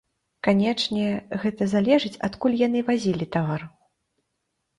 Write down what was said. Канечне, гэта залежыць, адкуль яны вазілі тавар.